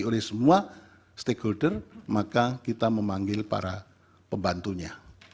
oleh semua stakeholder maka kita memanggil para pembantunya